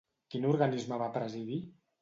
Quin organisme va presidir?